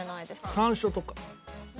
山椒とか？